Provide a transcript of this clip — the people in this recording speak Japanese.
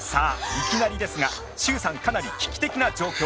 いきなりですが徐さんかなり危機的な状況！